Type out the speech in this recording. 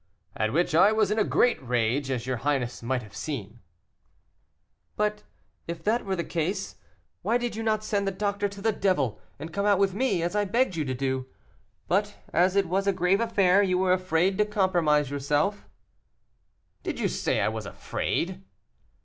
"At which I was in a great rage, as your highness might have seen." "But, if that were the case, why did you not send the doctor to the devil, and come out with me as I begged you to do? But as it was a grave affair, you were afraid to compromise yourself." "Did you say I was afraid?"